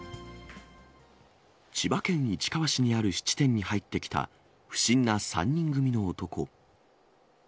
千葉県市川市にある質店に入ってきた不審な３人組の男。